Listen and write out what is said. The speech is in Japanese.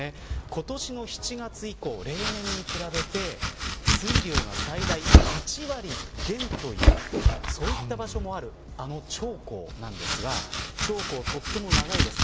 今年の７月以降、例年に比べて水量が最大８割減という、そういった場所もあるあの長江なんですが長江、とても長いです。